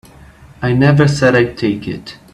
I never said I'd take it.